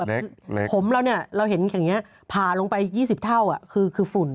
เล็กผมเราเห็นอย่างนี้ผ่าลงไป๒๐เท่าคือฝุ่น